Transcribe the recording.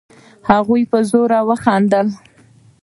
هغوی په زوره خندل.